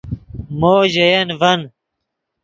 مو ژے ین ڤن